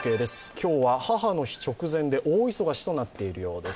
今日は母の日直前で大忙しとなっているようです。